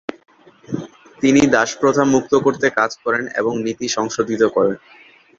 তিনি দাসপ্রথা মুক্ত করতে কাজ করেন এবং নীতি সংশোধিত করেন।